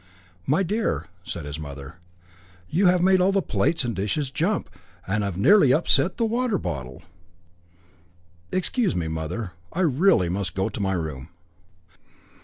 "My dear," said his mother; "you have made all the plates and dishes jump, and have nearly upset the water bottle." "Excuse me, mother; I really must go to my room."